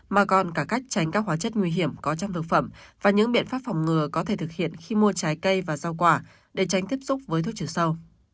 mà còn cả cách tránh các hóa chất nguy hiểm có trong thực phẩm và những biện pháp phòng ngừa có thể thực hiện khi mua trái cây và rau quả để tránh tiếp xúc với thuốc trừ sâu